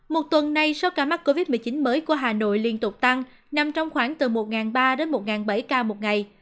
một tuần nay số ca mắc covid một mươi chín mới của hà nội liên tục tăng nằm trong khoảng từ một ba đến một bảy ca một ngày